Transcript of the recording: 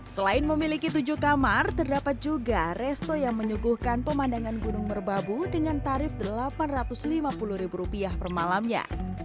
selain memiliki tujuh kamar terdapat juga resto yang menyuguhkan pemandangan gunung merbabu dengan tarif rp delapan ratus lima puluh per malamnya